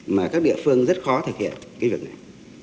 mà các địa phương rất khó thực hiện cái việc này